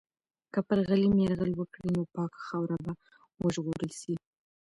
که پر غلیم یرغل وکړي، نو پاکه خاوره به وژغورل سي.